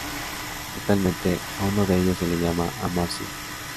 Actualmente, a uno de ello se le llama Amar-Sin.